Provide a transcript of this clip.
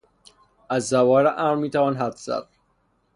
از ظواهر امر میتوان حدس زد.